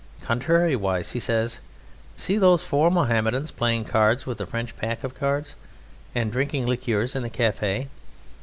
Contrariwise, he says: "See those four Mohammedans playing cards with a French pack of cards and drinking liqueurs in the café!